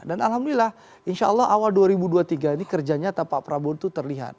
dan alhamdulillah insya allah awal dua ribu dua puluh tiga ini kerjanya pak prabowo itu terlihat